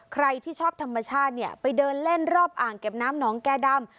ใครที่ชอบธรรมชาติเนี่ยไปเดินเล่นรอบอ่างเก็บน้ำหนองแก่ดำ